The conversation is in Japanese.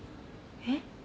えっ？